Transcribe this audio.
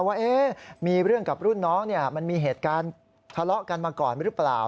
ว่ามีเรื่องกับรุ่นน้องมันมีเหตุการณ์ทะเลาะกันมาก่อนหรือเปล่า